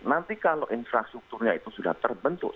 nanti kalau infrastrukturnya itu sudah terbentuk